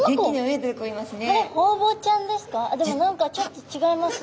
でも何かちょっと違いますね。